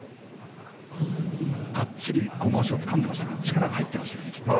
がっちりとまわしをつかんでいましたから力が入ってましたね。